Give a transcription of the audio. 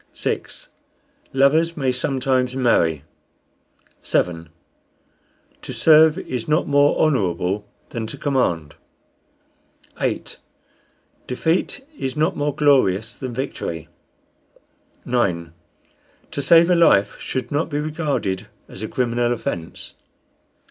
6. Lovers may sometimes marry. 7. To serve is not more honorable than to command. 8. Defeat is not more glorious than victory. 9. To save a life should not be regarded as a criminal offence.